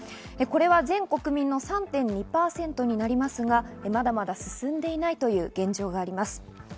これは全国民の３．２％になりますが、まだまだ進んでいないという現状があります。